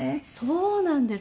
そうなんですよ！